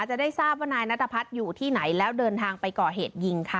จะได้ทราบว่านายนัทพัฒน์อยู่ที่ไหนแล้วเดินทางไปก่อเหตุยิงค่ะ